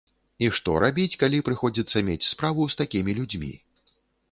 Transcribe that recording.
І што рабіць, калі прыходзіцца мець справу з такімі людзьмі?